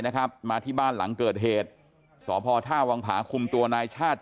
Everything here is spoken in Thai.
นะครับมาที่บ้านหลังเกิดเหตุสพท่าวังผาคุมตัวนายชาติ